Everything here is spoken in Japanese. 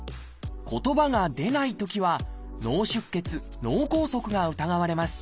言葉が出ないときは脳出血・脳梗塞が疑われます。